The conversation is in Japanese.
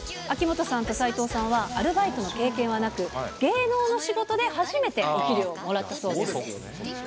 秋元さんと齋藤さんは、アルバイトの経験はなく、芸能の仕事で初めてお給料をもらったそうです。